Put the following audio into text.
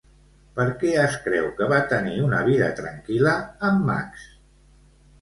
Per què es creu que va tenir una vida tranquil·la amb Max?